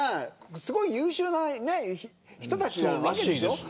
すごい優秀な人たちなわけでしょ。